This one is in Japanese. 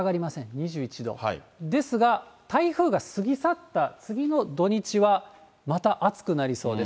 ２１度、ですが、台風が過ぎ去った次の土日は、また暑くなりそうです。